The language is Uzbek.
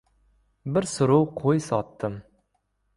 Bir suruv qo‘y sotdim.